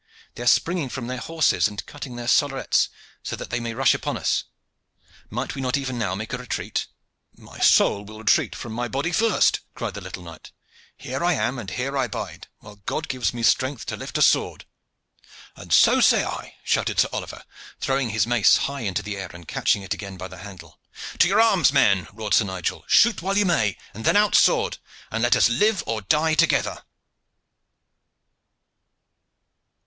they are springing from their horses, and cutting their sollerets that they may rush upon us. Might we not even now make a retreat?" "My soul will retreat from my body first!" cried the little knight. "Here I am, and here I bide, while God gives me strength to lift a sword." "And so say I!" shouted Sir Oliver, throwing his mace high into the air and catching it again by the handle. "To your arms, men!" roared Sir Nigel. "Shoot while you may, and then out sword, and let us live or die together!"